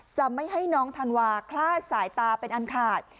จะไม่ให้น้องธันวาคลาดสายตาเป็นอันขาด